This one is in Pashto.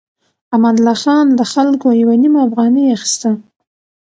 امان الله خان له خلکو يوه نيمه افغانۍ اخيسته.